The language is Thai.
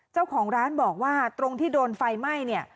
เจ้าของร้านบอกว่าตรงที่โดนไฟไหม้เนี่ย